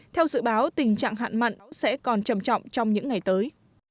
theo dự báo tình trạng hạn mặn sẽ còn trầm trọng trong những ngày tới